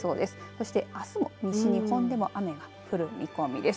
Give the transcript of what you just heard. そして、あすも西日本でも雨が降る見込みです。